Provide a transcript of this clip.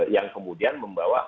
yang kemudian membawa